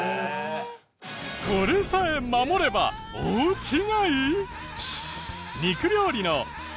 これさえ守れば大違い！？